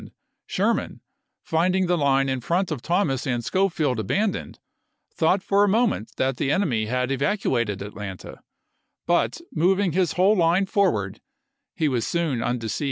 22d Sherman, finding the line in front of Thomas and Schofield abandoned, thought for a moment that j. d. cox, the enemy had evacuated Atlanta, but, moving his pp. it?, 167. whole line forward, he was soon undeceived.